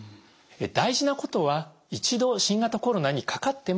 大事なことは一度新型コロナにかかっても